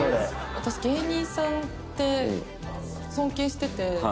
私芸人さんって尊敬してて。